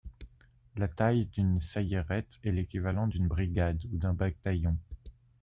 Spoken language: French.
La taille d'une Sayeret est l'équivalent d'une brigade ou d'un bataillon.